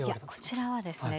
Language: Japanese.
こちらはですね